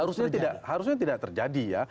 harusnya harusnya tidak terjadi ya